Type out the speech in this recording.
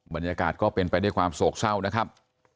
บรรยากาศก็เป็นไปด้วยความโศกเศร้านะครับ